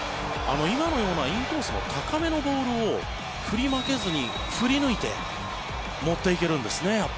今のようなインコースの高めのボールを振り負けずに振り抜いて持っていけるんですね。